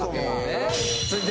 続いて。